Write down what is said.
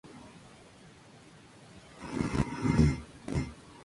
Una de las partes características del jubón era su cuello rígido llamado "collar".